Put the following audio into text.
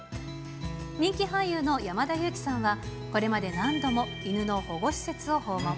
人気俳優の山田裕貴さんは、これまで何度も犬の保護施設を訪問。